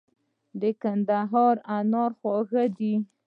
د کندهار انار خواږه دي.